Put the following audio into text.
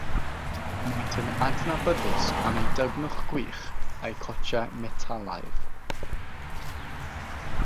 Maent yn adnabyddus am eu dygnwch gwych a'u cotiau "metalaidd".